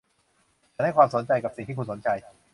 ฉันให้ความสนใจกับสิ่งที่คุณสนใจ